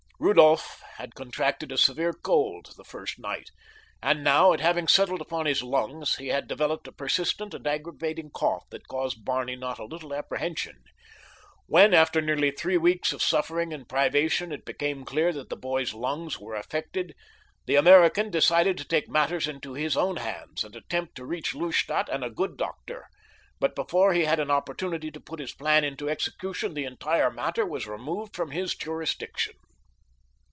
Rudolph had contracted a severe cold the first night, and now, it having settled upon his lungs, he had developed a persistent and aggravating cough that caused Barney not a little apprehension. When, after nearly three weeks of suffering and privation, it became clear that the boy's lungs were affected, the American decided to take matters into his own hands and attempt to reach Lustadt and a good doctor; but before he had an opportunity to put his plan into execution the entire matter was removed from his jurisdiction.